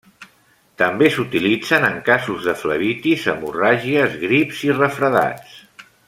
També s'utilitzen en casos de flebitis, hemorràgies, grips i refredats.